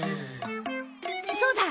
そうだ。